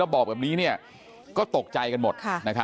แล้วบอกแบบนี้เนี่ยก็ตกใจกันหมด